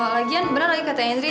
lagian bener lagi kata yandri